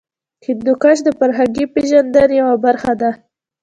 هندوکش د فرهنګي پیژندنې یوه برخه ده.